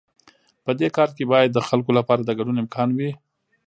په دې کار کې باید د خلکو لپاره د ګډون امکان وي.